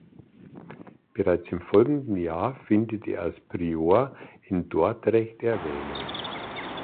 Bereits im folgenden Jahr findet er als Prior in Dordrecht Erwähnung.